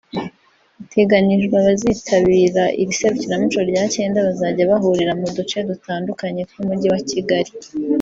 Biteganijwe abazitabira iri serukiramuco rya cyenda bazajya bahurira mu duce dutandukanye tw’Umujyi wa Kigali